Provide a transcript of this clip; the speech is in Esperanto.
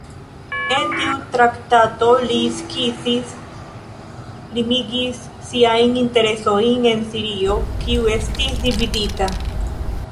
En tiu traktato, li skizis, limigis siajn interesojn en Sirio, kiu estis dividita.